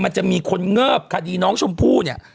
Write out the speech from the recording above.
มันจะมีคนเงิบคดีน้องชมพู่เนี่ย